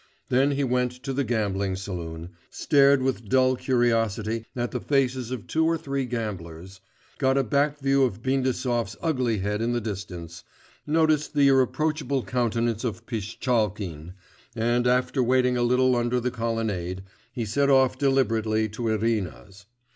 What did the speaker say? Then he went to the gambling saloon, stared with dull curiosity at the faces of two or three gamblers, got a back view of Bindasov's ugly head in the distance, noticed the irreproachable countenance of Pishtchalkin, and after waiting a little under the colonnade, he set off deliberately to Irina's.